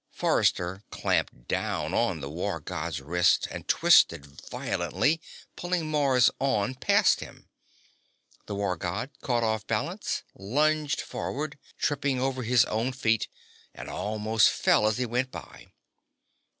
Forrester clamped down on the War God's wrist and twisted violently, pulling Mars on past him. The War God, caught off balance, lunged forward, tripping over his own feet, and almost fell as he went by.